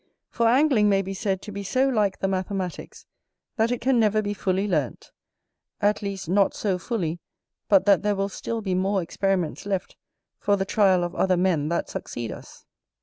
For Angling may be said to be so like the Mathematicks, that it can never be fully learnt; at least not so fully, but that there will still be more new experiments left for the trial of other men that succeed us.